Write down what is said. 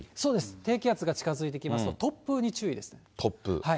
低気圧が近づいてきますと、突風突風？